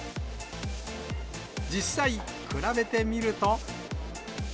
実際、比べてみると。